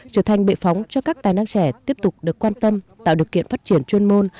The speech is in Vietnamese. trở thành bệ phóng cho các tài năng trẻ tiếp tục được quan tâm tạo điều kiện phát triển chuyên môn